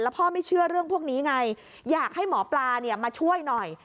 พ่อไม่เชื่อเรื่องพวกนี้ไงอยากให้หมอปลามาช่วยหน่อย